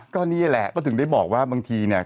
ก็นี่แหละก็ถึงได้บอกว่าบางทีเนี่ย